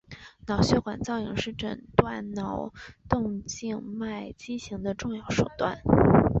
脑血管造影是诊断脑动静脉畸形的重要手段。